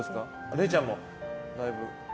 れいちゃんも、だいぶ。